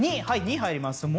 はい２入ります